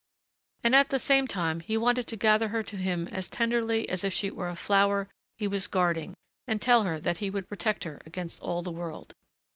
And at the same time he wanted to gather her to him as tenderly as if she were a flower he was guarding and tell her that he would protect her against all the world.